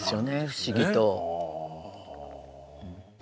不思議と。